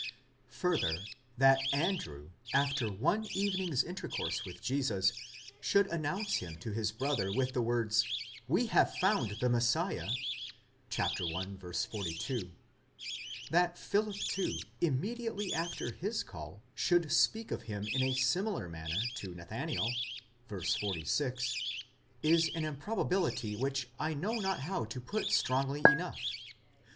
Further, that Andrew, after one evening's intercourse with Jesus, should announce him to his brother with the words, We have found the Messiah (i. 42); that Philip too, immediately after his call, should speak of him in a similar manner to Nathanael (v. 46) ; is an improbability which I know not how to put strongly enough.